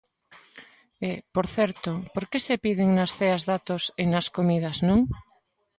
E, por certo, ¿por que se piden nas ceas datos e nas comidas non?